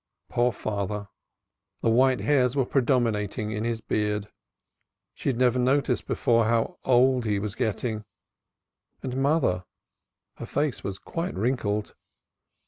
Poor father! The white hairs were predominating in his beard, she had never noticed before how old he was getting. And mother her face was quite wrinkled.